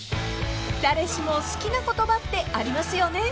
［誰しも好きな言葉ってありますよね］